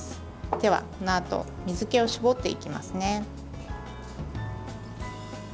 では、このあと水けを絞っていきますね。